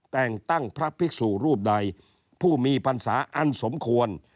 แต่งตั้งพระภิกษุรูปใดผู้มีพรรษาอันสมควร